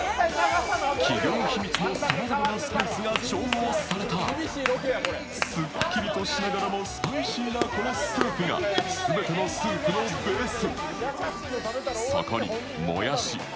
企業秘密のさまざまなスパイスが調合されたすっきりとしながらもスパイシーなこのスープが全てのスープのベース。